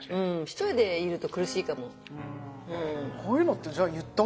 一人でいると苦しいかも。